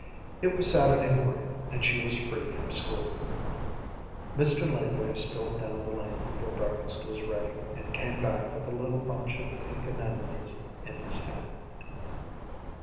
It was Saturday morning, and she was free from school. Mr. Laneway strolled down the lane before breakfast was ready, and came back with a little bunch of pink anemones in his hand.